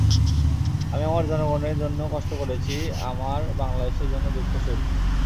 আমি আমার জনগণের জন্য কষ্ট করেছি, আমার বাংলাদেশের জন্য দুঃখ সয়েছি।